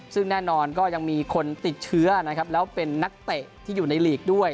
ซึ่งแน่นอนก็ยังมีคนติดเชื้อนะครับแล้วเป็นนักเตะที่อยู่ในลีกด้วย